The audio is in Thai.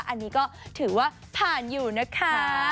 อันนี้ก็ถือว่าผ่านอยู่นะคะ